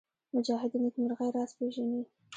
مجاهد د نېکمرغۍ راز پېژني.